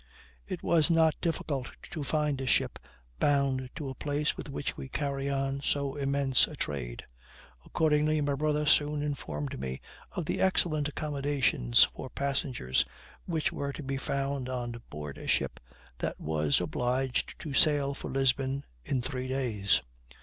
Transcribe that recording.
It was not difficult to find a ship bound to a place with which we carry on so immense a trade. Accordingly, my brother soon informed me of the excellent accommodations for passengers which were to be found on board a ship that was obliged to sail for Lisbon in three days.